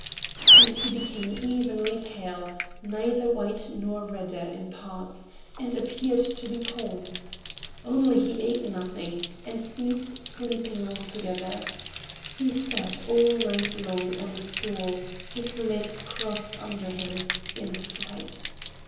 And he became evenly pale, neither white nor redder in parts, and appeared to be calm. Only he ate nothing and ceased sleeping altogether. He sat all night long on a stool, his legs crossed under him, in fright.